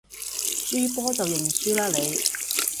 輸波就認輸啦你